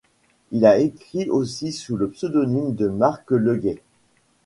Il a écrit aussi sous le pseudonyme de Marc Le Guet.